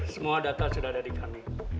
semua data sudah dari kami